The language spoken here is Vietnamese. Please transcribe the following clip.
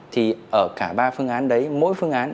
thì ở cả ba phương án đấy mỗi phương án